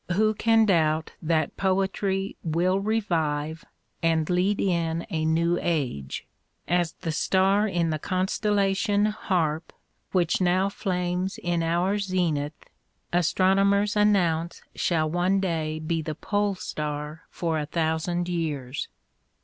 Who can doubt that poetry wrill revive and lead in a new age, as the star in the constellation Harp, which now flames in our zenith, astronomers announce shall one day be the pole star for a thousand years